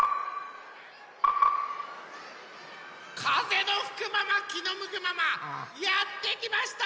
かぜのふくままきのむくままやってきました